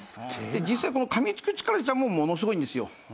実際この噛みつく力自体もものすごいんですよ。